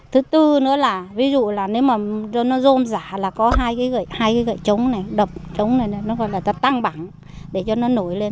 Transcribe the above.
thứ tư nữa là ví dụ là nếu mà nó rôm giả là có hai cái gậy trống này đập trống này nó gọi là tăng bẳng để cho nó nổi lên